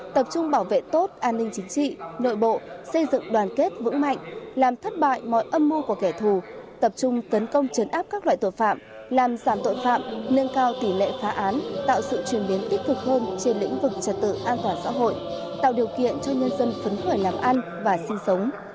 tập trung bảo vệ tốt an ninh chính trị nội bộ xây dựng đoàn kết vững mạnh làm thất bại mọi âm mưu của kẻ thù tập trung tấn công chấn áp các loại tội phạm làm giảm tội phạm nâng cao tỷ lệ phá án tạo sự chuyển biến tích cực hơn trên lĩnh vực trật tự an toàn xã hội tạo điều kiện cho nhân dân phấn khởi làm ăn và sinh sống